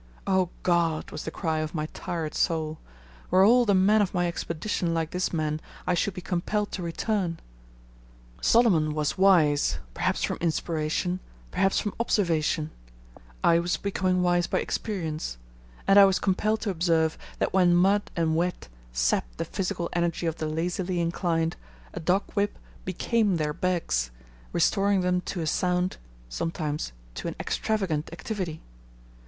"Oh! God," was the cry of my tired soul, "were all the men of my Expedition like this man I should be compelled to return." Solomon was wise perhaps from inspiration, perhaps from observation; I was becoming wise by experience, and I was compelled to observe that when mud and wet sapped the physical energy of the lazily inclined, a dog whip became their backs, restoring them to a sound some times to an extravagant activity.